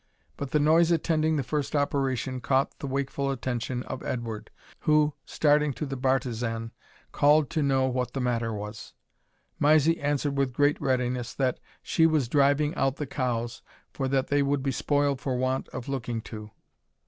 But the noise attending the first operation caught the wakeful attention of Edward, who, starting to the bartizan, called to know what the matter was. Mysie answered with great readiness, that "she was driving out the cows, for that they would be spoiled for want of looking to."